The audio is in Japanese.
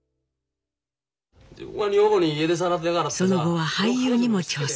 その後は俳優にも挑戦。